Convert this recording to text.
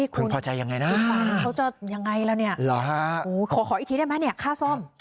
พึงพอใจยังไงนะฮะหรอฮะขออีกทีได้ไหมเนี่ยค่าซ่อม